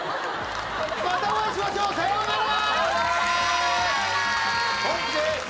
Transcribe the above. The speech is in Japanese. またお会いしましょう。さようなら！